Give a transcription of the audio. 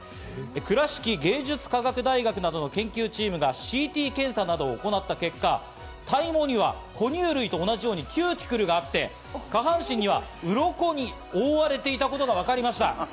倉敷芸術科学大学などの研究チームがＣＴ検査などを行った結果、体毛には哺乳類と同じようにキューティクルがあって下半身はウロコに覆われていたことがわかりました。